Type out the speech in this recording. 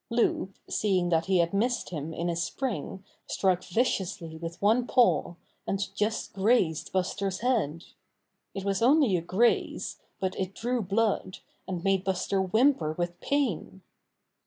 Loup seeing that he had missed him in his spring struck viciously with one paw, and just grazed Buster's head. It was only a graze, but it drew blood, and made Buster whimper with pain.